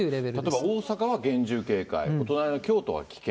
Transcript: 例えば大阪は厳重警戒、隣の京都は危険。